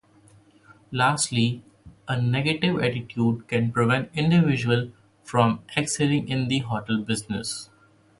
Lastly, a negative attitude can prevent individuals from excelling in the hotel business.